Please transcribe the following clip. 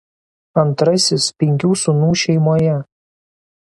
Antrasis penkių sūnų šeimoje.